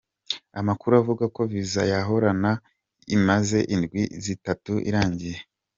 Amakuru avuga ko visa yahorana imaze indwi zitatu irangiye.